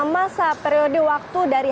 masa periode waktu dari